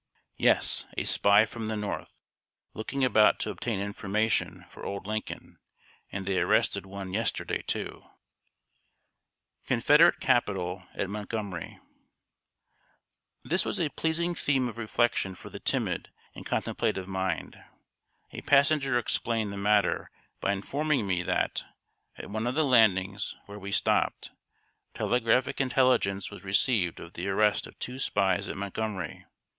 "Yes, a spy from the North, looking about to obtain information for old Lincoln; and they arrested one yesterday, too." [Sidenote: CONFEDERATE CAPITOL AT MONTGOMERY.] This was a pleasing theme of reflection for the timid and contemplative mind. A passenger explained the matter, by informing me that, at one of the landings where we stopped, telegraphic intelligence was received of the arrest of two spies at Montgomery.